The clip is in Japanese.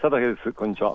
こんにちは。